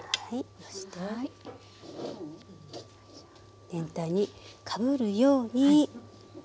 そして全体にかぶるようにはい。